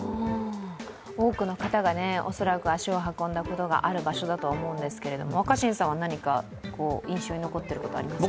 多くの方がおそらく足を運んだことがある場所だと思うんですけれども若新さんは何か印象に残っていとることはありますか？